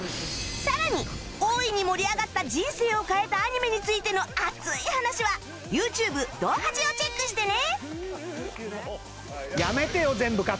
さらに大いに盛り上がった人生を変えたアニメについての熱い話は ＹｏｕＴｕｂｅ「動はじ」をチェックしてね